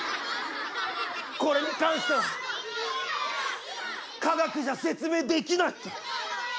これに関しては科学じゃ説明できないって。